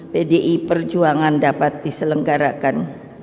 pdi perjuangan dapat diselenggarakan